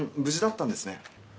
無事だったんですね？